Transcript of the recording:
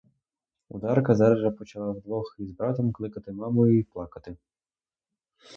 Одарка зараз же почала вдвох із братом кликати маму й плакати.